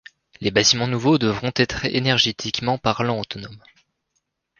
Les bâtiments nouveaux devront être énergétiquement parlant autonomes.